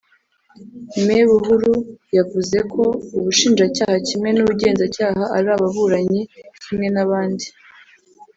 Me Buhuru yavuze ko Ubushinjacyaha kimwe n’ubugenzacyaha ari ababuranyi kimwe n’abandi